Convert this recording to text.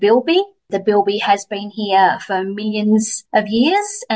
peserta peserta telah berada di sini selama juta tahun